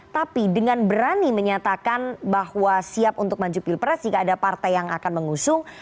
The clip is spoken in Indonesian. tapi dengan berani menyatakan bahwa siap untuk maju pilpres jika ada partai yang akan mengusung